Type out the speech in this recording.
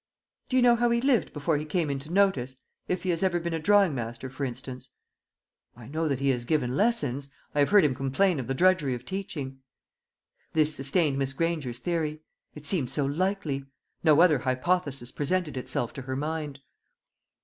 "Do you know how he lived before he came into notice if he has ever been a drawing master, for instance?" "I know that he has given lessons. I have heard him complain of the drudgery of teaching." This sustained Miss Granger's theory. It seemed so likely. No other hypothesis presented itself to her mind.